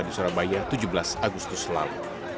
di surabaya tujuh belas agustus lalu